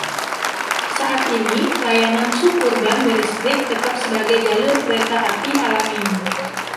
Saat ini layanan sub urban berlistrik tetap sebagai jalur kereta api Alamein.